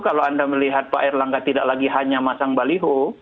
karena itu kalau anda melihat pak erlangga tidak lagi hanya masang baliho